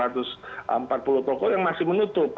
dua ratus empat puluh toko yang masih menutup